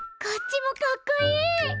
こっちもかっこいい！